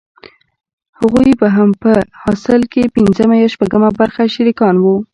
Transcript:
هغوې به هم په حاصل کښې پينځمه يا شپږمه برخه شريکان وو.